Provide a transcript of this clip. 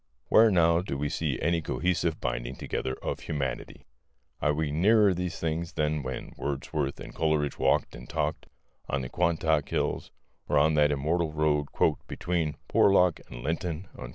Where, now, do we see any cohesive binding together of humanity? Are we nearer these things than when Wordsworth and Coleridge walked and talked on the Quantock Hills or on that immortal road "between Porlock and Linton"?